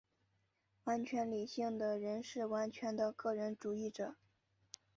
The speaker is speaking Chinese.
完全理性的人是完全的个人主义者。